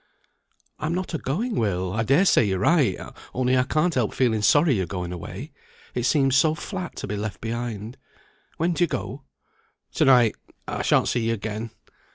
"I'm not a going, Will. I dare say you're right; only I can't help feeling sorry you're going away. It seems so flat to be left behind. When do you go?" "To night. I shan't see you again."